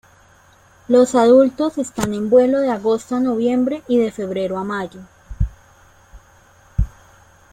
Los adultos están en vuelo de agosto a noviembre y de febrero a mayo.